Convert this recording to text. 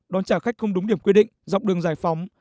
đón trả khách không đúng điểm quy định dọc đường giải phóng